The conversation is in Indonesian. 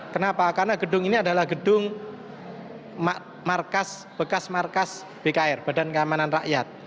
kenapa karena gedung ini adalah gedung bekas markas bkr badan keamanan rakyat